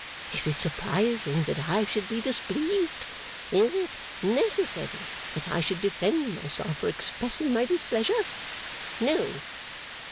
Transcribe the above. Is it surprising that I should be displeased? Is it necessary that I should defend myself for expressing my displeasure? No!